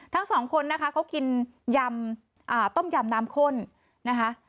ทั้งสองคนนะคะเขากินยำต้มยำน้ำข้นนะคะ